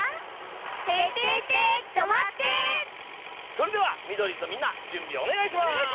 それではミドリーズのみんなじゅんびおねがいします。